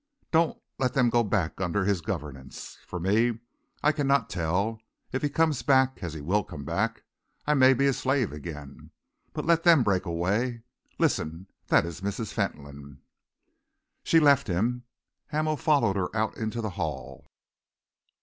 Don't let them go back under his governance. For me, I cannot tell. If he comes back, as he will come back, I may become his slave again, but let them break away. Listen that is Mrs. Fentolin." She left him. Hamel followed her out into the hall.